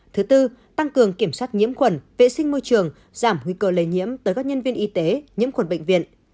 thứ tư tăng cường kiểm soát nhiễm khuẩn vệ sinh môi trường giảm nguy cơ lây nhiễm tới các nhân viên y tế nhiễm khuẩn bệnh viện